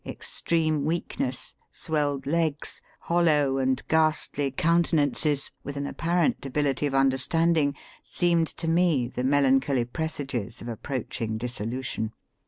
Ex treme weakness, swelled legs, hollow and tly countenances, with an apparent de bility of understanding, seemed to me the melancholy presages of approaching disso lution."